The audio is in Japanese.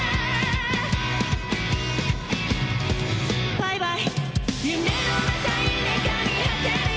バイバイ。